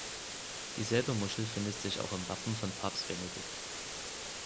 Dieselbe Muschel findet sich auch im Wappen von Papst Benedikt.